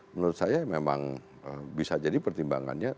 menurut saya memang bisa jadi pertimbangannya